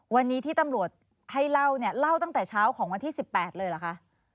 วันนี้ที่ตำรวจให้เล่าเนี่ยเล่าตั้งแต่เช้าของวันที่๑๘เลยเหรอคะ